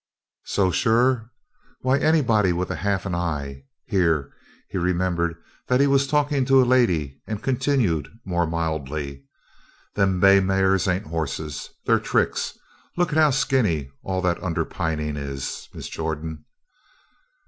"So sure? Why anybody with half an eye " here he remembered that he was talking to a lady and continued more mildly. "Them bay mares ain't hosses they're tricks. Look how skinny all that underpinning is, Miss Jordan."